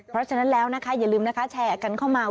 เพราะฉะนั้นแล้วนะคะอย่าลืมนะคะแชร์กันเข้ามา